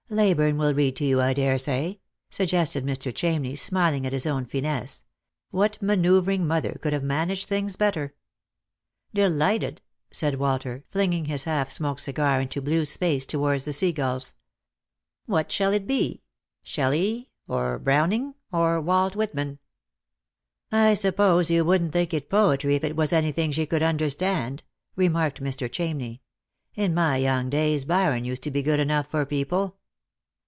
Leyburne will read to you, I daresay," suggested Mr. Chamney, smiling at his own finesse. What manoeuvring mother could have managed things better P " Delighted," said Walter, flinging his half smoked cigar into blue space towards the sea gulls. " What shall it be— Shelley or Browning or Walt Whitman ?" Lost for Love. 153 '" I suppose she wouldn't think it poetry if it was anything she could understand," remarked Mr. Chamney. " In my young days Byron used to be good enough for people."